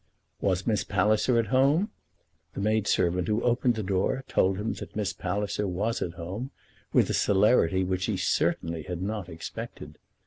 "Was Miss Palliser at home?" The maid servant who opened the door told him that Miss Palliser was at home, with a celerity which he certainly had not expected.